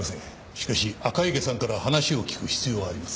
しかし赤池さんから話を聞く必要はあります。